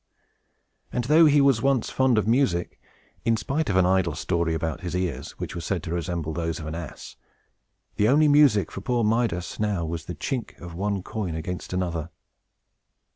And though he once was fond of music (in spite of an idle story about his ears, which were said to resemble those of an ass), the only music for poor Midas, now, was the chink of one coin against another.